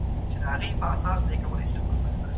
د وینې فشار د سندرو په وخت ښه کېږي.